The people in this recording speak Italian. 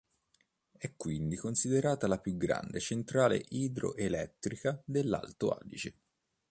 È quindi considerata la più grande centrale idroelettrica dell'Alto Adige.